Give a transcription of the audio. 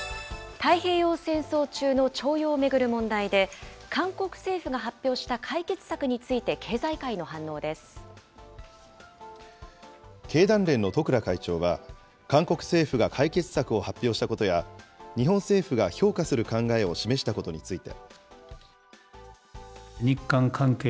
太平洋戦争中の徴用を巡る問題で、韓国政府が発表した解決策につい経団連の十倉会長は、韓国政府が解決策を発表したことや、日本政府が評価する考えを示したことについて。